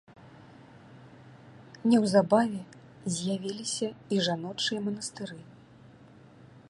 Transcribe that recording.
Неўзабаве з'явіліся і жаночыя манастыры.